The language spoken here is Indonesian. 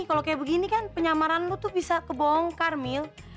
kalo kayak begini kan penyamaran lu tuh bisa kebongkar mil